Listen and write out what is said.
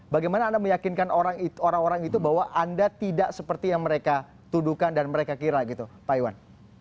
bagaimana anda meyakinkan orang orang itu bahwa anda tidak seperti yang mereka tuduhkan dan mereka kira gitu pak iwan